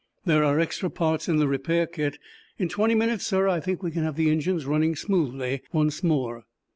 There are extra parts in the repair kit. In twenty minutes, sir, I think we can have the engines running smoothly once more."